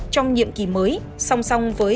trong nhiệm kỳ mới song song với